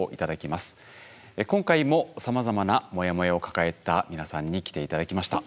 今回もさまざまなモヤモヤを抱えた皆さんに来て頂きました。